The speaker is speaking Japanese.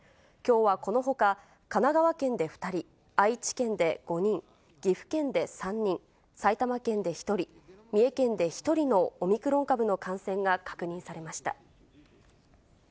きょうはこのほか、神奈川県で２人、愛知県で５人、岐阜県で３人、埼玉県で１人、三重県で１人のオミクロン株の感染が確認されました。